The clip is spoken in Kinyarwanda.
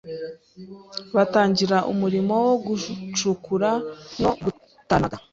batangira umurimo wo gucukura no gutanaga